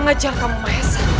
dia seharusnya memiliki penderitaan